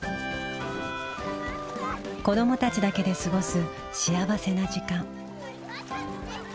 子どもたちだけで過ごす幸せな時間。